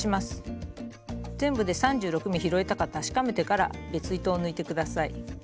全部で３６目拾えたか確かめてから別糸を抜いて下さい。